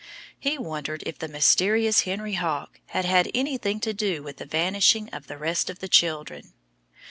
He wondered if the mysterious Henry Hawk had had anything to do with the vanishing of the rest of the children.